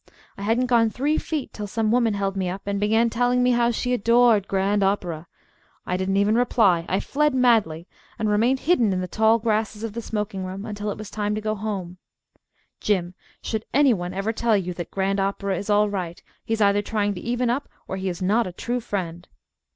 I hadn't gone three feet till some woman held me up and began telling me how she adored Grand Opera. I didn't even reply. I fled madly, and remained hidden in the tall grasses of the smoking room until it was time to go home. Jim, should any one ever tell you that Grand Opera is all right, he is either trying to even up or he is not a true friend.